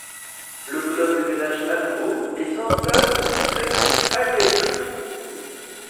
Le club déménage à nouveau et s'installe au complexe du Hagelkruis.